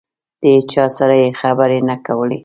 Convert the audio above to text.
د هېچا سره یې خبرې نه کولې.